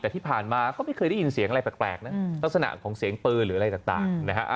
แต่ที่ผ่านมาก็ไม่เคยได้ยินเสียงอะไรแปลกนะลักษณะของเสียงปืนหรืออะไรต่างนะฮะ